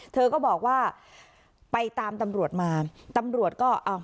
เธอก็บอกว่าไปตามตำรวจมาตำรวจก็เอา